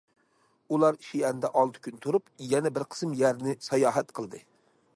ئۇلار شىئەندە ئالتە كۈن تۇرۇپ يەنە بىر قىسىم يەرنى ساياھەت قىلدى.